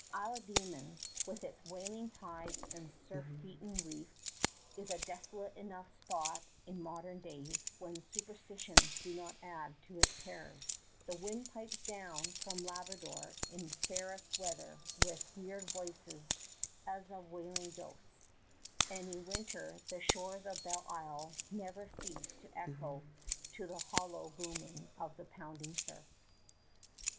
Isle of Demons, with its wailing tides and surf beaten reefs, is a desolate enough spot in modern days when superstitions do not add to its terrors. The wind pipes down from The Labrador in fairest weather with weird voices as of wailing ghosts, and in winter the shores of Belle Isle never cease to echo to the hollow booming of the pounding surf.